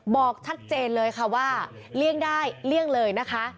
บอกชัดเจนเลยค่ะว่าเลี่ยงได้เลี่ยงเลยนะคะ